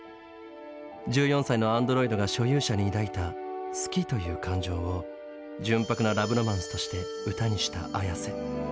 １４歳のアンドロイドが所有者に抱いた「好き」という感情を純白なラブロマンスとして歌にしたＡｙａｓｅ。